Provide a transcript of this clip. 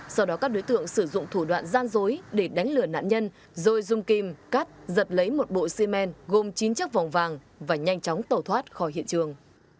sau đó các đối tượng sử dụng thủ đoạn gian dối để đánh lửa nạn nhân rồi dùng kim cắt giật lấy một bộ xi men gồm chín chất vòng vàng và nhanh chóng tẩu thoát khỏi hiện trường